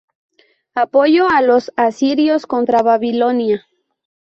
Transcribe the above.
Apoyó a los asirios contra Babilonia.